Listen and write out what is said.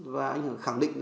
và anh hường khẳng định